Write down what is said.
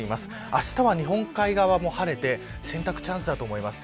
あした、日本海側も晴れて洗濯チャンスです。